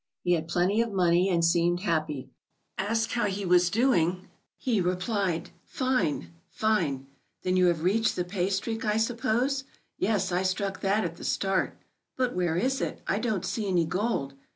He had plenty of money and seemed happy. Asked how he was doing, he replied: "Fine! Fine!" "Then you have reached the paystreak, I suppose?" "Yes, I struck that at the start." " But where is it? I don't see any gold."